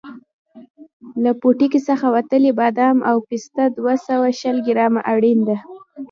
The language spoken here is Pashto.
له پوټکي څخه وتلي بادام او پسته دوه سوه شل ګرامه اړین دي.